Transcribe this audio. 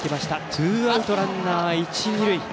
ツーアウト、ランナー、一、二塁。